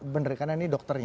bener karena ini dokternya